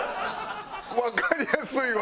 わかりやすいわ！